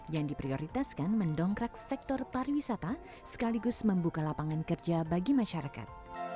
yang diprioritaskan mendongkrak sektor pariwisata sekaligus membuka lapangan kerja bagi masyarakat